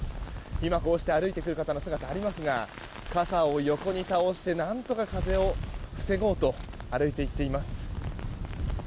今こうして歩いてくる方の姿がありますが傘を横に倒して、何とか風を防ごうと歩いていっています。